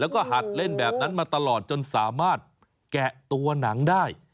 แล้วก็หัดเล่นแบบนั้นมาตลอดจนสามารถแกะตัวหนังได้